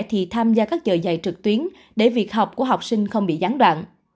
thì tham gia các giờ dạy trực tuyến để việc học của học sinh không bị gián đoạn